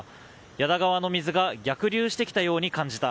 矢田川の水が逆流してきたように感じた。